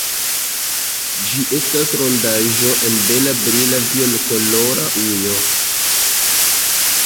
Ĝi estas rondaĵo en bela brila violkolora ujo.